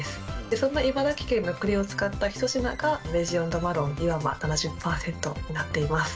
そんな茨城県のくりを使った一品がレジオンドマロン岩間７０％になっています。